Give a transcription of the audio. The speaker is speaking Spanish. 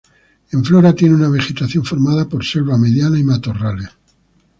En flora tiene una vegetación formada por selva mediana y matorrales.